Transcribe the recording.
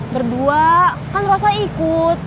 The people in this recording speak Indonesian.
berdua kan rosa ikut